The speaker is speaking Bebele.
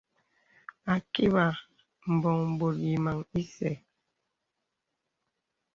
Ākibà mbɔ̀ŋ bòt yàmaŋ ìsɛ̂.